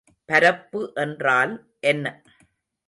பரப்பு என்றால் என்ன?